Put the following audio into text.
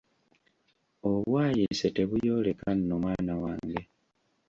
Obwayiise tebuyooleka nno mwana wange!